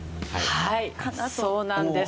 はいそうなんです。